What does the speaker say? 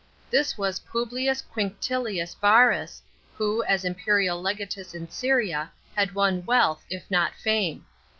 This was Publius Quinctilius Yarus, who, as imperial legatus in Syria, had won wealth, if not fame.